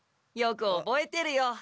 よくおぼえてるよ。